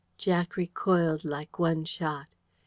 Jack recoiled like one shot.